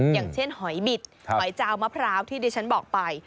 อย่างเช่นหอยบิดหอยจาวมะพร้าวที่ดิฉันบอกไป